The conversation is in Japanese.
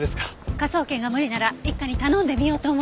科捜研が無理なら一課に頼んでみようと思って。